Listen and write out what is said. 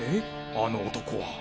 あの男は？